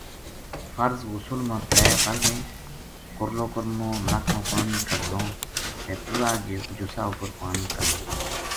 فرض ٖغسل ما ترے فرض ہیں، کرلو کرنو، نک ما پانی کہلنو تے پورا جسا اپر پانی کہلنو